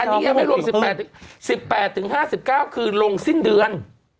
อันนี้ยังไม่รวม๑๘๕๙คือลงสิ้นเดือน